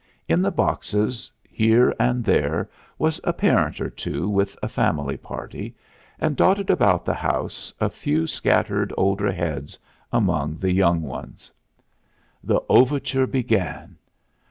In the boxes here and there was a parent or two with a family party, and dotted about the house a few scattered older heads among the young ones. The overture began.